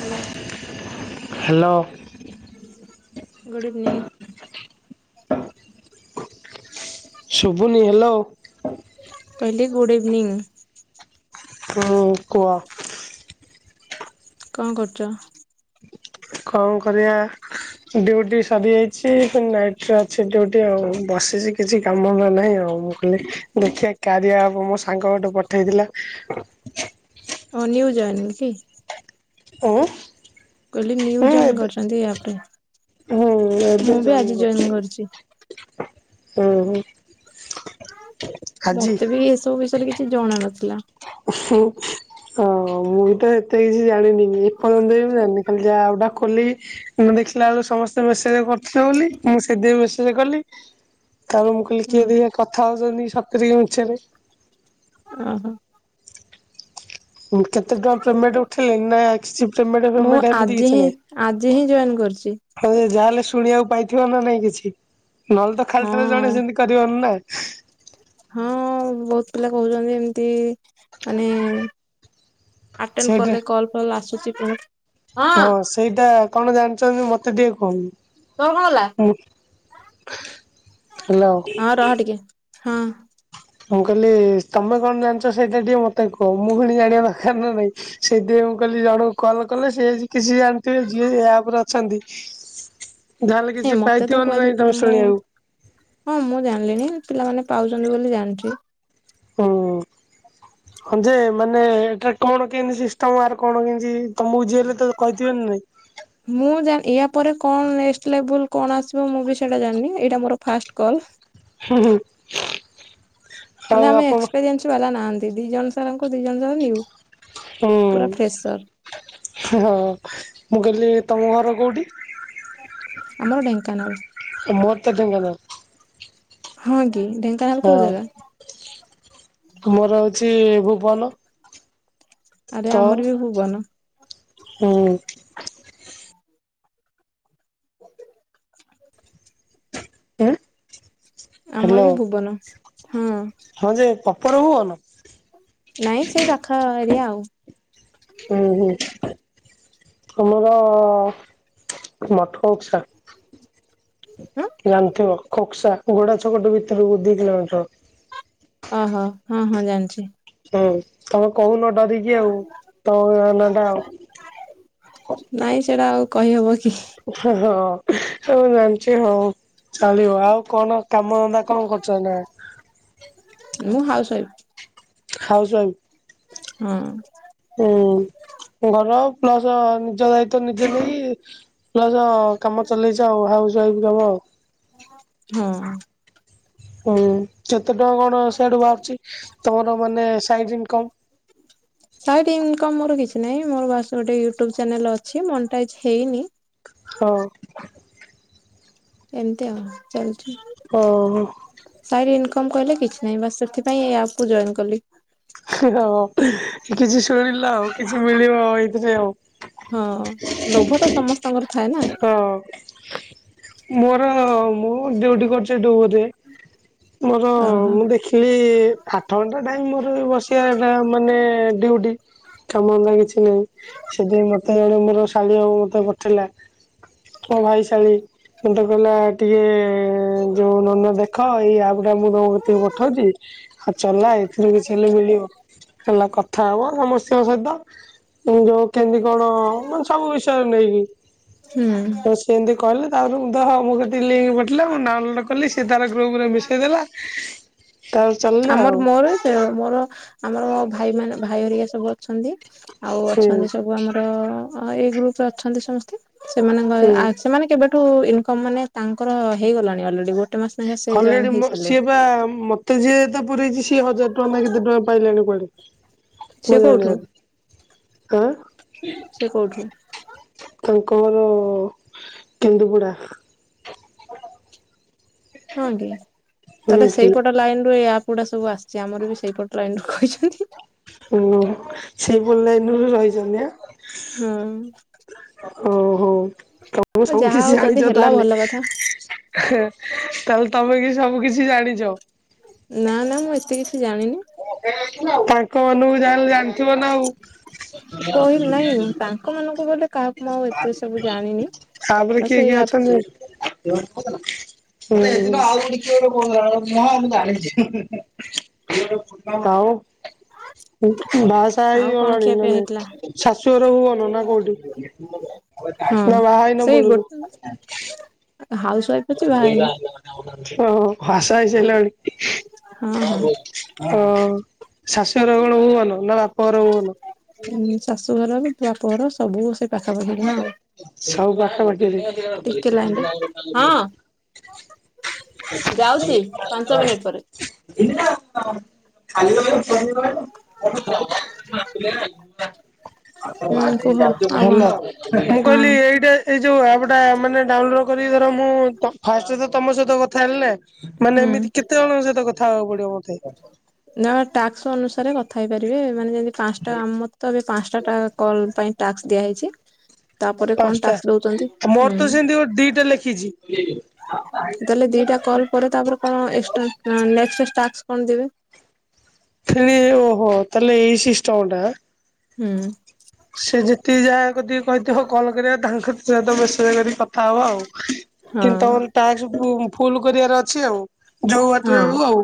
Hello hello. Good evening. [inaudible] [inaudible] ଶୁଭୁନି hello କହଲି good evening. ମୁ କୁହ? କଣ କରୁଚ? କଣ କରିବା? ଡ଼ିଉଟି ସରିଯାଇଚି, ନାଇଟରେ ଅଛି ଡ଼ିଉଟି ଆଉ। ବସିଚି କିଛି କାମ ନାହିଁ ଆଉ। ମୁଁ କହଲି ଦେଖିିବା କାରିଆ ଆପ ମୋ ସାଙ୍ଗ ଗୋଟେ ପଠେଇଥିଲା ହଁ ନ୍ୟୁ ଜଏନ କି? ଅ କହିଲି ନିୁ ଜଏନ୍ କରିଚନ୍ତି ଏ ଆପ ରେ? ହୁଁ ଏବେ ମୁଁ ବି ଜଏନ୍ ଆଜି କରୁଛି ଜଏନ କରଚି। ହୁଁ ହୁଁ। ଆଜି ମତେ ବି ଏସବୁ ବିଷୟରେ କିଛି ଜଣା ନଥିଲା। ହଁ। ହଁ ମୁଁ ବି ତ ଏତେ କିଛି ଜାଣିନି ଏପର୍ଯ୍ୟନ୍ତ ବି ମୁଁ ଜାଣିନି, ଖାଲି ଯାହା ଗୋଟା ଖୋଲି କି ଦେଖିଲା ବେଳୁ ସମସ୍ତେ ମେସେଜ କରୁଥିଲେେ ବୋଲି ମୁଁ ସେଥିପାଇଁ ମେସେଜ କଲି। ତା ପରେ ମୁ କହିଲି କିଏ ହୁଁ ଦି ଜଣ କଥା ହଉଚନ୍ତି ସତରେ କି ମିଛରେ ଅ ହ। ମୁଁ କେତେ ଟଙ୍କା ପେମେଣ୍ଟ ଉଠେଇ ଲଣି ନାହିଁ ଆକ ସି ପ୍। ପେମେଣ୍ଟ ମୁଁ ଫେମେଣ୍ଟ ଏମିତି ଆଜି କିଛି ହିଁ ଆଜି ନାହିଁ ହିଁ ଜଏନ୍ କରିଛି ଖାଲି ଯାହାଲେ ଶୁ ଶୁଣିବାକୁ ପାଇଥିବ ନା ନାଇଁ କିଛି ନହେଲେ ତ ହଁ ଖାଲଟାରେ ଜଣେ ସେମିତି କରିବନି ନା। ହଁ ବହୁତ ପିଲା କହୁଛନ୍ତି ଏମିତି ମାନେ। ଆଟେନ ସେଇଟା କଲେ କଲ ଫଲ୍ ଆସୁଛି ପୁଣି। ହଁ ସେଇଟା କଣ ଜାଣିଛନ୍ତି ମତେ ଟିକେ ତୋର କଣ ଗଲା କୁହନ୍ତୁ। ମୁଁ ହ୍ୟାଲୋ। ହଁ ରହ ଟିକେ ହଁ। ମୁଁ କହିଲି ତମେ କଣ ଜାଣିଛ ସେଇଟା ଟିକେ ମତେ କୁହ ମୁଁ ପୁଣି ଜାଣିବା ଦରକାର ନା ନାଇଁ। ସେଇଥି ପାଇଁ ମୁଁ କହିଲି ଜଣଙ୍କୁ କଲେ ସିଏ ଯଦି କିଛି ଜାଣିଥିବେ ଯିଏ ଏ ଆପରେ ଅଛନ୍ତି। ଯାହାହେଲେ ଏ କିଛି ମତେ ପାଇଥିବ ତ ନା ନାଇଁ କୁହାଯାଇ ତମେ ମୁଁ ଶୁଣିବାକୁ ହଁ ମୁଁ ଜାଣିଲିଣିି। ପିଲାମାନେ ପାଉଛନ୍ତି ବୋଲି ଜାଣିଛି। ହୁଁ ହଁ ଯେ। ମାନେ ଏଟା କଣ କେମତି ସିଷ୍ଟମ ଆର କଣ କେମତି। ତମକୁ ଯିଏ ହେଲେ ତ କହିଥିବେ ନା ନାଇଁ। ତାପରେ କଣ ନେକ୍ସ୍ଟ ଲେବୁଲ କଣ ଆସିବ ମୁଁ ବି ସେଇଟା ଜାଣିନି ଏଇଟା ମୋର ଫାଷ୍ଟ କଲ। ହୁଁ ହୁଁ। ଆଉ ମାନେ ଆମେ ଆପଣ ଏକ୍ସପେରିଏନ୍ସ ବାଲା ନାହାନ୍ତି ଦି ଜଣ ସାରଙ୍କୁ ଦି ଜଣ ଯାକ ନିଉ। ହୁଁ ପୁରା ଫ୍ରେସର ହଁ ମୁଁ କହିଲି ତମ ଘର କୋଉଠି। ଆମର ଢେଙ୍କାନାଳ। ମୋର ତ ଢେଙ୍କାନାଳ ହଁ କି ଢେଙ୍କାନାଳ କୋଉ ଜାଗା। ହଁ। ମୋର ହଉଛି ଭୁବନ। ଆରେ ତୋର ଆମର ବି ଭୁବନ। ହୁଁ। ଆଁ। ଆମର ବି ଭୁବନ। ହଁ ହଁ ଯେ ପ୍ରପର ଭୁବନ। ନାଇଁ ସେଇ ପାଖ ଏରିଆ ଆଉ। ହୁଁ ହୁଁ ତମର ମଠ ଉତ୍ସା। ହଁ ଜାଣିଥିବ ଖୋକସା ଘୋଡା ଛକ ଟୁ ଭିତରକୁ ଦି କିଲୋମିଟର। ଅ ହ ହଁ ହଁ ଜାଣିଛି। ହୁଁ ତମେ କହୁନ ଡରିକି ଆଉ ତମ ନ ଟା। ନାଇଁ ସେଇଟା ଆଉ କହିହବ କି। ହଁ ହଁ ହଉ ମାନୁଛି ହଉ। ଚାଳିବ ଆଉ କଣ କାମ ଧନ୍ଦା କଣ କରୁଛ ଏଇନା। ମୁଁ ହାଉସ ୱାଇଫ୍। ହାଉସୱାଇଫ୍। ହୁଁ। ହୁଁ ଘର ର ପ୍ଲସ ନିଜ ଦାୟିତ୍ୱ ନିଜେ ନେଇ ପ୍ଲ ସ କାମ ଚଲେଇଚ ଆଉ ହାଉସ ୱାଇଫ କାମ। ହୁଁ। ହୁଁ। କେତେ ଟଙ୍କା କଣ ସିଆଡୁ ବାହାରୁଛି ତମର ମାନେ ସାଇଡ ଇନକମ୍। ସାଇଡ ଇନକମ ମୋର କିଛି ନାହିଁ ମୋର ବାସ ଗୋଟେ ୟୁଟ୍ୟୁବ ଚ୍ୟାନେଲ ଅଛି ମନିଟାଇଜ୍ ହେଇନି। ହଁ। ଏମିତି ଆଉ ଚାଲିଛି। ଓ ହୋ। ସାଇଡ ଇମକମ କହିଲେ କିଛି ନାହିଁ ବାସ ସେଥିପାଇଁ ଏଇ ଆପ କୁ ଜଏନ୍ କଲି। ହଁ କିଛି ଶୁଣିଲ ଆଉ କିଛି ମିଳିବ ଆଉ ଏଇଥି ପାଇଁ ଆଉ। ହଁ ଲୋଭ ତ ସମସ୍ତଙ୍କର ଥାଏ ନା। ହଁ ମୋର ମୁଁ ଡ୍ୟୁଟି କରୁଛି ଡୋବରେ। ମୋର ଓହୋ ମୁଁ ଦେଖିଲି ଆଠ ଘଣ୍ଟା ଟାଇମ ମୋ ବସିବା ଏଇଟା ମାନେ ଡିଉଟି। କାମଧନ୍ଦା କିଛି ନାହିଁ ସେଥି ପାଇଁ ମତେ ଜଣେ ମୋର ଶାଳି ହେବ ମତେ ପଠେଇଲା। ମୋ ଭାଇଶାଳୀ। ମତେ କହିଲା ଟିକେ ଯୋଉ ନନା ଦେଖ ଏଇ ଆପ ଟା ମୁଁ ତମ ଗତିକି ପଠଉଛି। ଆଉ ଚଲା ଏଥିରୁ କିଛି ହେଲେ ମିଳିବ ହେଲା କଥା ହବ ସମସ୍ତିଙ୍କ ସହିତ। ମୁଁ ଯୋଉ କେମତି କଣ ମାନେ ସବୁ ବିଷୟରେ ନେଇକି ହୁଁ। ତ ସେମତି କହିଲେ। ତାପରେ ମୁଁ ତ ମୋ ଗତିକି ଲିଙ୍କ୍ ପଠେଇଲା। ମୁଁ ଡାଉନଲୋଡ କଲି ସେ ତାର ଗ୍ରୁପ ରେ ମିଶେଇ ଦେଲା। ତାପରେ ଚାଲିଲା ଆମର ଆଉ। ମୋର ସେ ମୋର ଆମର ଭାଇ ମାନେ ଭାଇ ହେରିକା ସବୁ ଅଛନ୍ତି। ଆଉ ହୁଁ ଅଛନ୍ତି ସବୁ ଆମର ଅ ଏଇ ଗ୍ରୁପ ରେ ଅଛନ୍ତି ସମସ୍ତେ ସେମାନଙ୍କ ହୁଁ। ଆ ସେମାନେ କେବେ ଠୁ ଇନକମ୍ ମାନେ ତାଙ୍କର ହେଇଗଲାଣି ଅଲରେଡି ଗୋ ହଲରେଡି ମୋ ସିଏ ବା ମତେ ଯିଏ ପୁରେଇଛି ସିଏ ହଜାର ଟଙ୍କା ନା କେତେ ଟଙ୍କା ପାଇଲାଣି କୁଆଡେ। ସେ ମୋ କୋଉଠୁ ଜାଣିବାରେ ଆଁ। ସେ କୋଉଠୁ ତାଙ୍କ ଘର କେନ୍ଦୁପଡ଼ା। ହଁ କି ହୁଁ ତାହେଲେ ହୁଁ ସେଇପଟ ଲାଇନ ରୁ ୟା ଗୁଡା ସବୁ ଆସିଛି ଆମର ବି ସେଇପଟ ଲାଇନରୁ କହିଛନ୍ତି। ଓ ସେଇ ପଟ ପଲାଇନରୁ ରହିଛନ୍ତି ଆଁ। ହୁଁ। ଓ ହୋ। ତମେ ଆଉ ସବୁ ଯାହା ହଉ କିଛି ଯଦି ଜାଣିଛ ହେଲା ତାହେଲେ। ଭଲ କଥା ତାହେଲେ ତ ତମେ କି ସବୁ କିଛି ଜାଣିଛ। ନା ନା ମୁଁ ଏତେ କିଛି ଜାଣିନି। ତାଙ୍କ ମାନକୁ ଯାହେଲେ ଜାଣିଥିବ ନା ଆଉ। କହିଲି ନାଇଁ ତାଙ୍କ ମାନଙ୍କୁ ବୋଲେ ମୁଁ ଏତେ ସବୁ ଜାଣିନି। ତାପରେ ବାସ୍ କିଏ ଏଇ କିଏ ଆପ୍ ରେ। ଅଛନ୍ତି? ଆଉ ବାହା ସା ହେଇ ଆଉ କଣ ଗଲଣି ନା ଖିଆପିଆ ନାଇଁ। ହେଇଥିଲା? ଶାଶୁଘର ରୁହନ ନା କୋଉଠି ନା ବାହା ହେଇ ନା ମୂଳରୁ। ହାଉସୱାଇଫ ଅଛି ବାହା ହେଇନି। ଓ ହୋ ବାହାସା ହଁ ହେଇସାରିଲଣି ଓ। ଶାଶୁଘର କଣ ଭୁବନ ନା ବାପଘର ଭୁବନ? ଉମ ଶାଶୁଘର ବି ବାପଘର ସବୁ ସବୁ ସେ ପାଖାପାଖି ଗାଁ ଆଉ। ସବୁ ପାଖା ପାଖି ଏରିଆ। ଯାଉଚି ପାଞ୍ଚ ମିନିଟ୍ ପରେ। ଏ କଲିିବ ଚ [unintelligible] ହୁଁ କୁହ ାତ [inaudible] ଆଉ କଣ ଭଲ ମୁଁ ହଁ କହିଲି ଏଇଟା ଏଇ ଯୋଉ ଆପ ଟା ମାନେ ଡାଉନଲୋଡ କରି ଧର ମୁଁ ତ ଫାଷ୍ଟରେ ତ ତମ ସହିତ କଥା ହେଲି ନା। ମାନେ ହୁଁ। ଏମିତି କେତେ ଜଣଙ୍କ ସହିତ କଥା ହବାକୁ ପଡିବ ମତେ। ନା ଟାକ୍ସ ଅନୁସାରେ କଥା ହେଇପାରିବେ। ମାନେ ଯେମିତି ପାଞ୍ଚଟା ଆମରତ ଏବେ ପାଞ୍ଚଟା ଟା କଲ ପାଇଁ ଟାକ୍ସ ଦିଆ ହେଇଛି। ପାଞ୍ଚଟା ମୋର ତ ସେମିତି ଗୋ ଦିଟା ଲେଖିଛି। ତାହେଲେ ଦିଟା କଲ୍ ପରେ ତାପରେ କଣ ଏକଷ୍ଟ୍ରା ପ୍ଲା ଏକଷ୍ଟ୍ରା ଟାକ୍ସ କଣ ଦେବେ? ଥିଲେ ଏ ଓହୋ ତାହଲେ ଏଇ ସିଷ୍ଟମ ଟା ଆଁ। ହୁଁ। ସେ ଯେତିକି ଯାହା କତିକି କହିଥିବ କଲ୍ କରିବାକୁ ତାଙ୍କରି ସହିତ ମସେଜ କରିକି କଥା ହବ ଆଉ। ହଁ କିନ୍ତୁ ତମର ତା ଠୁ ଫୁଁ-ଫୁଲ କରିବାର ଅଛି ଆଉ, ଯୋଉ ହଁ ବାଟରେ ହଉ ଆଉ।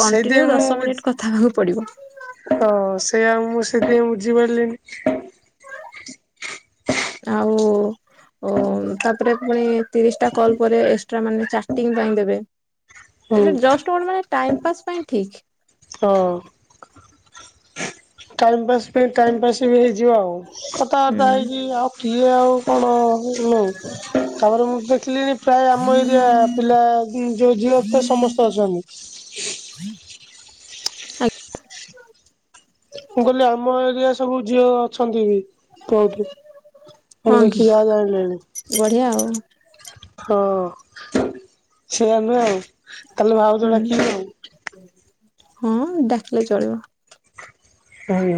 କଣ୍ଟିନ୍ୟୁ ସେଇଥିପାଇଁ ଦଶ ମୁଁ ମିନିଟ୍ କଥା ହେବାକୁ ପଡିବ। ହଁ ସେୟା ମୁଁ ସେଥିପାଇଁ ବୁଝିପାରିଲିନି। ଆଉ ଉ-ଉମ୍ ତାପରେ ପୁଣି ତିରିଶ ଟା କଲ ପରେ ଏ ଷ୍ଟ୍ରା ମାନେ ଚାଟିଙ୍ଗ ପାଇଁ ଦେବେ, ଏ ହୁଁ ଜଷ୍ଟ କଣ ମାନେ ଟାଇମ୍ ପାସ୍ ପାଇଁ ଠିକ୍। ହଅ। ଟାଇମ ପାସ୍ ଏମତି ଟାଇମ୍ ପାସ୍ ବି ହେଇଯିବ ଆଉ କଥାବାର୍ତ୍ତା ହୁଁ ହେଇକି ଆଉ କିଏ ଆଉ କଣ ଲୋଉ ତାପରେ ମୁଁ ଦେଖିଲିଣି ପ୍ରାୟ ଆମ ଏରିଆ ପିଲା ବି ଯୋଉ ଝିଅ ଫିଅ ସମସ୍ତେ ଅଛନ୍ତି। [unintelligible] ମୁଁ କହିଲି ଆମ ଏରିଆ ସବୁ ଝିଅ ଅଛନ୍ତି ବି। କଉଠି, ମୁଁ ହଁ କି ଦେଖି ଯାହା ବଢିଆ ଆଉ ଜାଣିଲିଣୀ। ହଁଅ। ସେମ ଆଉ ତାହେଲେ ଭାଉଜ ହୁଁ ଡାକିଵି ଆଉ। ହଁ ଡାକିଲେ ଚଳିବ। ହୁଁ।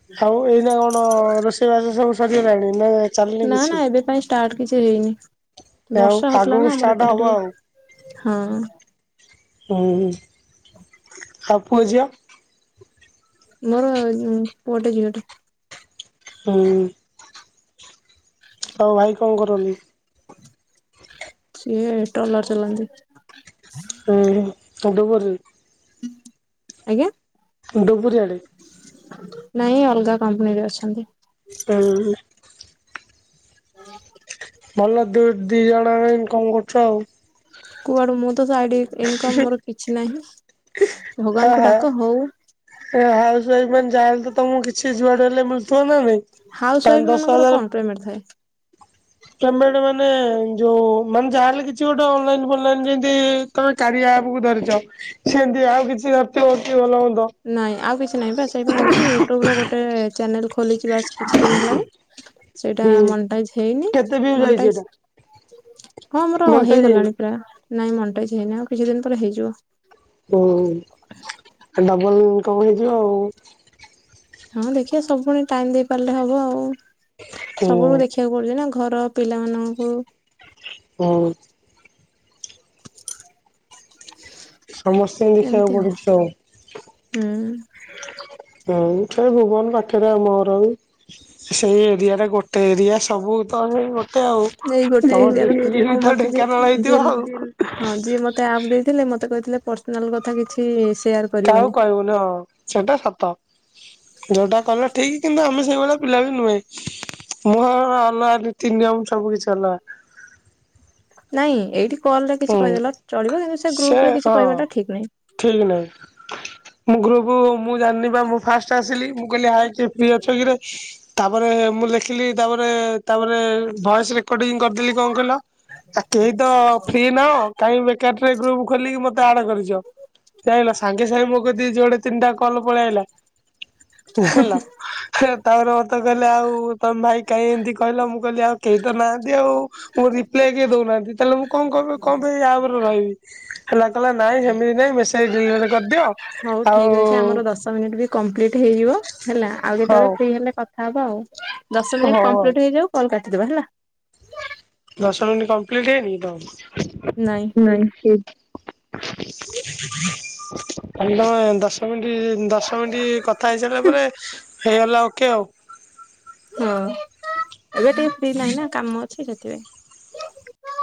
ହ [unintelligible] ଆଉ ଏଇନା କଣ ରୋଷେଇବାଶ ସବୁ ସରିଗଲାଣି ନା ଚାଲିନି ନା ନା କିଛି? ଏବେ ପାଇଁ ଷ୍ଟାର୍ଟ କିଛି ହେଇନି ଆଉ ବର୍ଷା ହଉଥିଲା ଆଗକୁ ନା ଆମର ଷ୍ଟାର୍ଟ ଏପଟେ ହବ ଟିକେ, ହଁ। ହୁଁଉ ଆଉ ପୁଅ ଝିଅ। ମୋରଅ ପୁଅଟେ ଝିଅଟେ। ହୁଁ। ଆଉ ଭାଇ କଁ କରନ୍ତି? ଏ ଟଲର ଚଲାନ୍ତି। ହୁ ଡୁବୁରି? ଆଜ୍ଞା? ଡୁବରିଆଡେ? ନାଇଁ ଅଲଗା କମ୍ପନୀରେ ଅଛନ୍ତି। ହୁଁ। ଓ [unintelligible] ଭଲ ଦୁ ଦି ଜଣଯାକ ଇନକମ କରୁଛ ଆଉ। କୁଆଡୁ ମୁଁ? ତ ସାଇଟ ଇନକମ୍ ମୋର କିଛି ନାହିଁ, ହା ଭଗବାନଙ୍କୁ ହା। ଡାକ ହଉ ଏ ହାଉସ ୱାଇଫ ମାନ ଯାହା ହେଲେ ତମକୁ କିଛି ଯୁଆଡେ ହେଲେ ମିଳୁଥିବ। ହଁ ନା ନାଇଁ, ହାଉସ ୱାଇଫ ପାନ ଦଶ ମାନଙ୍କର ହଜାର କଣ ପେମେଣ୍ଟ ଥାଏ? ପେମେଣ୍ଟ ମାନେ ଯୋଉ ମାନେ ଯାହାହେଲେ କିଛି ଗୋଟେ ଅନଲାଇନ ଫଲାଇନ ଯେମିତି ତମେ କାରିଆପକୁୁ ଧରିଛ ସେମିତି ଆଉ କିଛି ଧରିଥିବ କି ଭଲ ମନ୍ଦ ନାଇଁ ଆଉ କିଛି ନାଇଁ ବା ସେଇପା କହୁଛି ୟୁଟ୍ୟୁବ ରେ ଗୋଟେ ଚ୍ୟାନେଲ ଖୋଲିଛି ବାସ କିଛି ଦିନ ହେଲାଣି। ସେଇଟା ହୁଁ ମନିଟାଇଜ ହେଇନି କେତେ ଭିଉ ଯାଇଛି ଏଟା ମନିଟାଇଜ ହଁ ମୋର ମଣ୍ଟେଜ ହେଇଗଲାଣି ପ୍ରାୟ ନାଇଁ ମନିଟାଇଜ ହେଇନି ଆଉ କିଛି ଦିନ ପରେ ହେଇଯିବ। ହୁଁ ଡବଲ ଇନକମ ହେଇଯିବ ଆଉ। ହଁ ଦେଖିବା ସବୁ ପୁଣି ଟାଇମ ଦେଇ ପାରିଲେ ହବ ଆଉ, ସବୁୁ ହୁଁ। ଦେଖିବାକୁ ପଡଛି ନା। ଘର ପିଲାମାନଙ୍କୁ। ହୁଁ। ସମସ୍ତେଙ୍କୁ ଦେଖିବାକୁ ପଡୁଛି ଆଉ। ହୁଁ ହୁଁ ସେଇ ଭୁବନ ପାଖରେ ଆମ ଘର ବି ସେଇ ଏରିଆରେ ଗୋଟେ ଏରିଆ ସବୁ ତ ସେ ଏଇ ଗୋଟିଏ ଏରିଆ ର ଆଉ ତ ମତେ ଢେଙ୍କାନାଳ ଯିଏ ହେଇଥିବ ଯିଏ ଆଉ। ହଁ ଯିଏ ମତେ ଆମ ଦେଇଥିଲେ। ମତେ କହିଥିଲେ ପର୍ସନାଲ କଥା କିଛି ସେୟାର କାହାକୁ କରିବନି କହିବୁନି ହଁ ସେଇଟା ସତ। ଯୋଉଟା କଲ ଠିକ। କିନ୍ତୁ ଆମେ ସେଇଭଳିଆ ପିଲା ବି ନୁହେଁ। ମୁଁ ଅଲଗା ନୀତି ନିୟମ ସବୁ କିଛି ଅଲଗା। ନାଇଁ ଏଇଠି କଲ ରେ କିଛି ହୁଁ କହିଦେଲ ଚଳିବ। କିନ୍ତୁ ସେ ଗ୍ରୁପ ରେ କିଛି କହିବାଟା ଠିକ ନୁହେଁ। ଠିକ ନାହିଁ। ମୁଁ ଗୃପ୍ ମୁଁ ଜାଣିନି ପା ମୁଁ ଫାଷ୍ଟ ଆସିଲି ମୁଁ କହିଲିି ହାଏ କିଏ ଫ୍ରୀ ଅଛ କିରେ। ତାପରେ ମୁଁ ଲେଖିଲି ତାପରେ ତାପରେ ଭଏସରେ। ରେକଡିଙ୍ଗ କରିଥିଲି କଣ କହିଲ। ଆ କେହି ତ ଫ୍ରି ନାହଁ କାଇଁ ବେକାର ଟାରେ ଗ୍ରୁପ ଖୋଲିକି ମତେ ଆଡେ କରିଛ। ଯାଇଁଲ ସାଙ୍ଗେ ସାଙ୍ଗେ ମୋ କତିକି ଯୋଡ଼େ ତିନିଟା କଲ ପଳିଆଇଲା ଯାଇଁଲ ତାପରେ ମତେ କହିଲେ ଆଉ ତ ଭାଇ କାଇଁ ଏମିତି କହିଲ ମୁଁ କହିଲି ଆଉ କେହି ତ ନାହାନ୍ତି। ଆଉ ମୋ ରିପ୍ଲାଏ କେଏ ଦଉନାହାନ୍ତି। ତାହେଲେ ମୁଁ କ ପାଇଁ କ ପାଇଁ ୟା ଉପରେ ରହିବି। ହେଲା କହିଲା ନାଇଁ ସେମିତି ନାଇଁ ମେସେଜ ଡିଲେଟ କରିଦିଅ। ଆଉ କମ୍ପ୍ଲିଟ୍ ହେଇଯିବ ହେଲା ଆଉ କେତେବେଳେ ହଉ ଫ୍ରି ହେଲେ କଥାହବା ଆଉ। ଦଶ ହଉ ମିନିଟ ଆଉ କମ୍ପ୍ଲିଟ ହେଇଯାଉ କଲ୍ କାଟିଦବା ହେଲା। ଦସ ମିନିଟ କମ୍ପ୍ଲିଟ ହେଇନି କି ତମର ନାଇଁ ହେଇ [inaudible] ହଁ [inaudible] ତାନେ ତମେ ଦଶ ମିନିଟ ଦଶ ମିନିଟ୍ କଥା ହେଇସାରିଲା ପରେ ହେଇଗଲା ଓକେ ଆଉ। ହ [inaudible] ହଁ ଏବେ ଟିକେ ବି ନାହିଁ ନା କାମ ଅଛି ସେଥିପାଇଁ।